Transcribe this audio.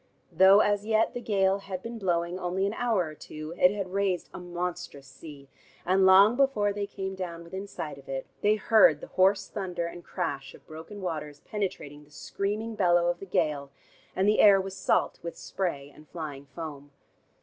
Though as yet the gale had been blowing only an hour or two, it had raised a monstrous sea, and long before they came down within sight of it, they heard the hoarse thunder and crash of broken waters penetrating the screaming bellow of the gale, and the air was salt with spray and flying foam.